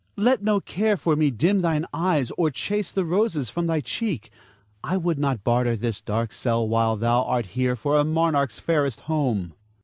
Let no care for me dim thine eye, or chase the roses from thy cheek. I would not barter this dark cell while thou art here for a monarch's fairest home.